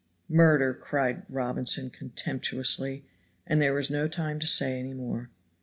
"Murder!" cried Robinson contemptuously. And there was no time to say any more.